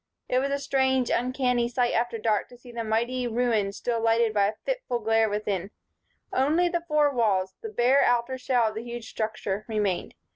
It was a strange, uncanny sight after dark to see the mighty ruin still lighted by a fitful glare from within. Only the four walls, the bare outer shell of the huge structure, remained.